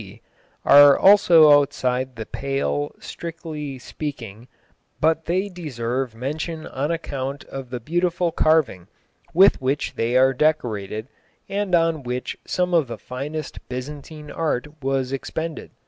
D., are also outside the pale, strictly speaking, but they deserve mention on account of the beautiful carving with which they are decorated, and on which some of the finest Byzantine art was expended.